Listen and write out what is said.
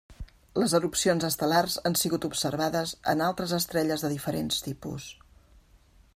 Les erupcions estel·lars han sigut observades en altres estrelles de diferents tipus.